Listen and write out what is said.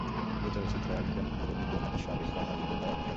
এই চলচ্চিত্র একজন যুবকের যৌনতার স্ব-আবিষ্কার আবর্তিত একটি গল্প।